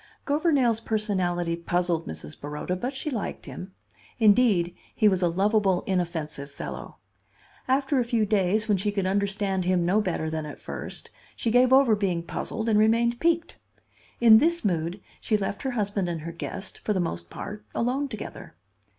Gouvernail's personality puzzled Mrs. Baroda, but she liked him. Indeed, he was a lovable, inoffensive fellow. After a few days, when she could understand him no better than at first, she gave over being puzzled and remained piqued. In this mood she left her husband and her guest, for the most part, alone together.